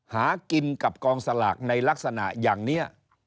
หากินกับกองสลากในลักษณะอย่างนี้